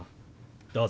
どうぞ。